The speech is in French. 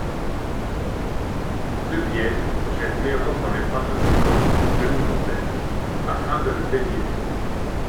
Debienne jette Léonce dans les bras de Tototte, demi-mondaine, afin de le déniaiser.